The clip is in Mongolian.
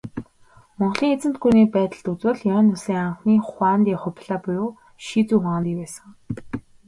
Монголын эзэнт гүрний байдалд үзвэл, Юань улсын анхны хуанди Хубилай буюу Шизү хуанди байсан.